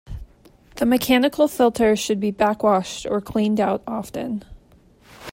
The mechanical filter should be backwashed or cleaned out often.